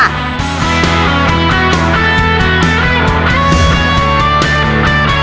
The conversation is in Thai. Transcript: ดิฉันใบตองรัชตวรรณโธชนุกรุณค่ะ